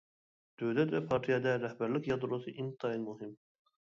دۆلەت ۋە پارتىيەدە رەھبەرلىك يادروسى ئىنتايىن مۇھىم.